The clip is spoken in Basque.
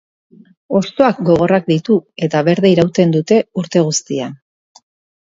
Hostoak gogorrak ditu eta berde irauten dute urte guztian.